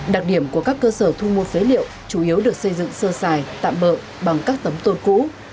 đặc điểm của các cơ sở thu mua phế liệu chủ yếu được xây dựng sơ xài tạm bợ bằng các tấm tôn cũ